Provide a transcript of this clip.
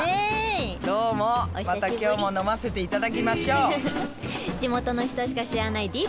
どうもまた今日も飲ませて頂きましょう。